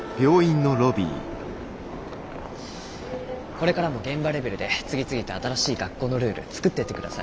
これからも現場レベルで次々と新しい学校のルール作っていって下さいね。